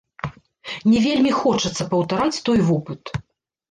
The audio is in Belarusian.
Не вельмі хочацца паўтараць той вопыт.